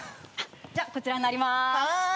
じゃこちらになります。